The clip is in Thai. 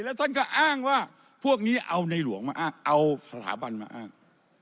แล้วท่านก็อ้างว่าพวกนี้เอาในหลวงมาอ้างเอาสถาบันมาอ้าง